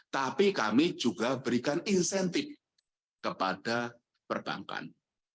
tapi kami juga berikan insentif kepada perbankan